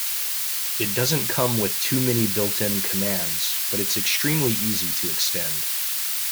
It doesn't come with too many built-in commands, but it's extremely easy to extend.